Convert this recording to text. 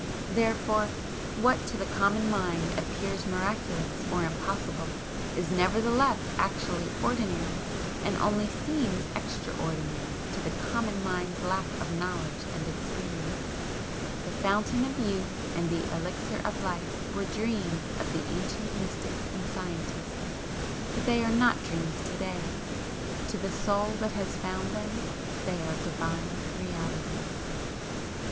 Therefore, what to the common mind appears miraculous or impossible, is nevertheless actually ordinary, and only seems EXTRA ordinary to the common mind's lack of knowledge and experience. The Fountain of Youth and the Elixir of Life were dreams of the ancient mystics and scientists, but they are not dreams to day. To the Soul that has found them they are Divine Realities.